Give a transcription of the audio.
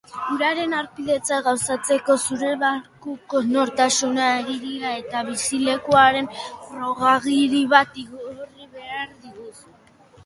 Uraren harpidetza gauzatzeko zure Bankuko Nortasun Agiria eta bizilekuaren frogagiri bat igorri behar dizkiguzu.